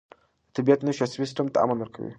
د طبیعت نښې عصبي سیستم ته امن ورکوي.